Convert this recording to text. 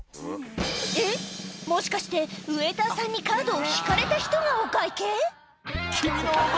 えっ、もしかしてウェイターさんにカードを引かれた人がお会計？